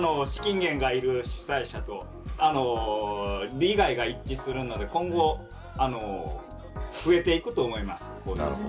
それと資金源がいる主催者と利害が一致するので今後増えていくと思います。